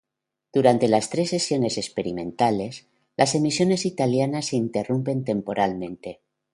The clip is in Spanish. Durante las tres sesiones experimentales, las emisiones italianas se interrumpen temporalmente.